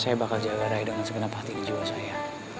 saya bakal jaga rai dengan segenap hati di jiwa saya